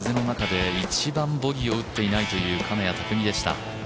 この２日間、風の中で一番ボギーを打っていないという金谷拓実でした。